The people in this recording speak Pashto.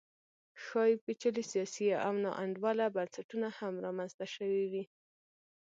ښايي پېچلي سیاسي او ناانډوله بنسټونه هم رامنځته شوي وي